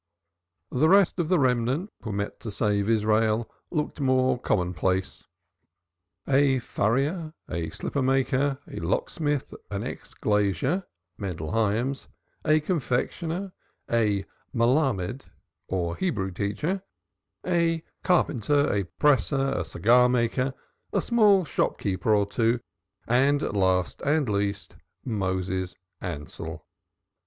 The rest of the "remnant" that were met to save Israel looked more commonplace a furrier, a slipper maker, a locksmith, an ex glazier (Mendel Hyams), a confectioner, a Melammed or Hebrew teacher, a carpenter, a presser, a cigar maker, a small shop keeper or two, and last and least, Moses Ansell.